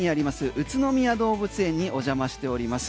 宇都宮動物園にお邪魔しております。